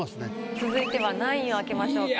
続いては何位を開けましょうか？